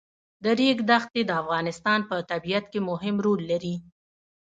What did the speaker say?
د ریګ دښتې د افغانستان په طبیعت کې مهم رول لري.